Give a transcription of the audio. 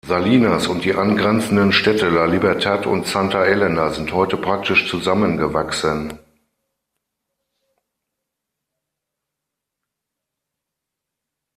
Salinas und die angrenzenden Städte La Libertad und Santa Elena sind heute praktisch zusammengewachsen.